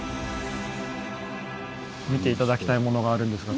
見て頂きたいものがあるんですが。